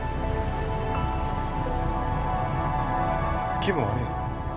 気分悪いの？